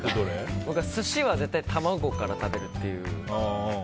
寿司は絶対玉子から食べるっていう。